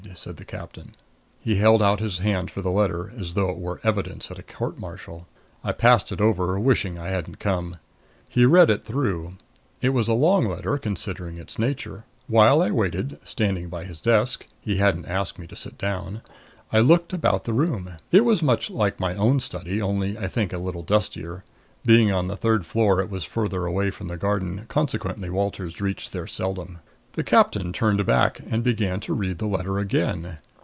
said the captain. He held out his hand for the letter, as though it were evidence at a court martial. I passed it over, wishing I hadn't come. He read it through. It was a long letter, considering its nature. While I waited, standing by his desk he hadn't asked me to sit down I looked about the room. It was much like my own study, only I think a little dustier. Being on the third floor it was farther from the garden, consequently Walters reached there seldom. The captain turned back and began to read the letter again.